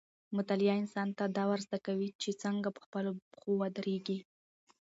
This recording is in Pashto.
مطالعه انسان ته دا ورزده کوي چې څنګه په خپلو پښو ودرېږي.